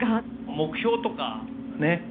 目標とかね